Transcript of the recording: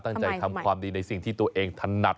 ตั้งใจทำความดีในสิ่งที่ตัวเองถนัด